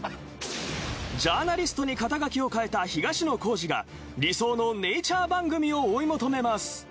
ジャーナリストに肩書きを変えた東野幸治が理想のネイチャー番組を追い求めます。